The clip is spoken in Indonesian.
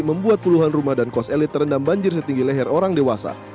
membuat puluhan rumah dan kos elit terendam banjir setinggi leher orang dewasa